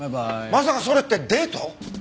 まさかそれってデート！？